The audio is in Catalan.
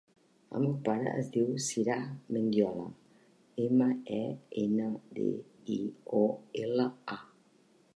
El meu pare es diu Siraj Mendiola: ema, e, ena, de, i, o, ela, a.